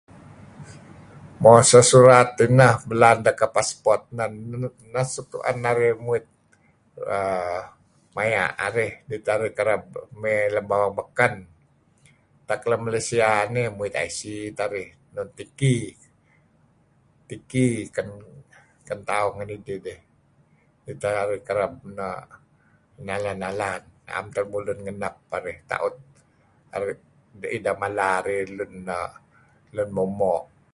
Mo sah surat enah belaan deh kuh Passport, neh suk tu'en narih muit err maya' arih kidih teh arih kereb mey lem bawang beken. Tak lem Malaysia nih muit IC teh arih, tiki ken tauh ngen idih, dih teh arih kereb no' nalan-nalan, na'em teh lemulun ngenap narih ta'ut ' ideh mala arih no' lun moo'-moo'.